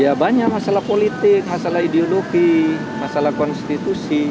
ya banyak masalah politik masalah ideologi masalah konstitusi